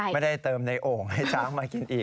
ไม่ได้เติมในโอ่งให้ช้างมากินอีก